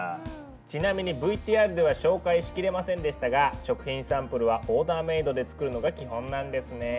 ちなみにＶＴＲでは紹介しきれませんでしたが食品サンプルはオーダーメードで作るのが基本なんですね。